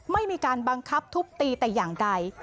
ไม่มีการบังคับทุบตีแต่อย่างใด